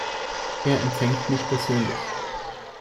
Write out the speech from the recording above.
Er empfängt mich persönlich.